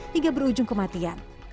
hingga berujung kematian